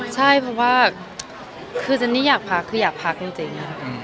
ใช่เพราะว่าคือเจนนี่อยากพักคืออยากพักจริง